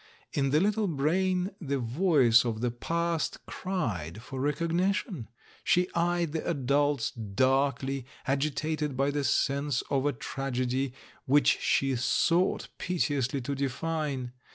In the little brain the voice of the past cried for rec ognition. She eyed the adults darkly, agitated by the sense of a tragedy which she sought pite ously to define.